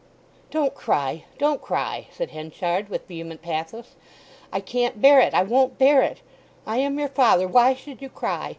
"Don't cry—don't cry!" said Henchard, with vehement pathos, "I can't bear it, I won't bear it. I am your father; why should you cry?